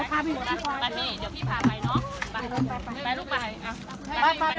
สวัสดีครับคุณพลาด